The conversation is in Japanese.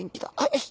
よし。